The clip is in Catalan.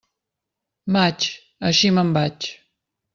Maig, així me'n vaig.